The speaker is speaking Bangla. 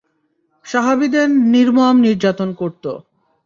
সাহাবীদের নির্মম নির্যাতন করত।